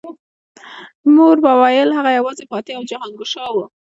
مور به ویل هغه یوازې فاتح او جهانګشا و